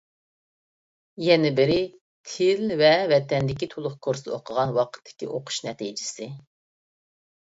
يەنە بىرى، تىل ۋە ۋەتەندىكى تولۇق كۇرستا ئوقۇغان ۋاقتىدىكى ئوقۇش نەتىجىسى.